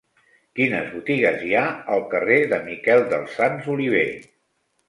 Quines botigues hi ha al carrer de Miquel dels Sants Oliver?